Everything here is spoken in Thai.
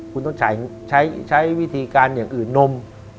คุณต้องใช้วิธีการอย่างอื่นนม